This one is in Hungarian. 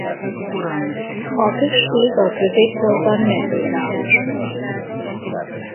A község a középkorban mezőváros volt.